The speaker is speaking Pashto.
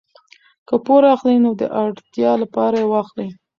که پور اخلئ نو د اړتیا لپاره یې واخلئ.